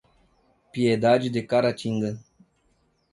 Piedade de Caratinga